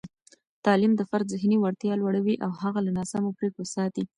تعلیم د فرد ذهني وړتیا لوړوي او هغه له ناسمو پرېکړو ساتي.